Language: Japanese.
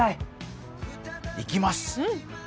行きます！